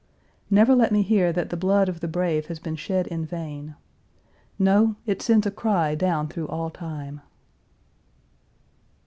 "Never let me hear that the blood of the brave has been shed in vain! No; it sends a cry down through all time."